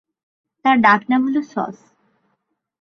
তার ডাকনাম হল সস।